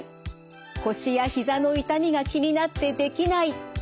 腰や膝の痛みが気になってできない。